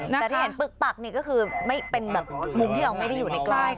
แต่ที่เห็นปึกปักนี่ก็คือเป็นแบบมุมที่เราไม่ได้อยู่ในใกล้